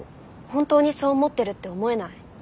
本当にそう思ってるって思えない。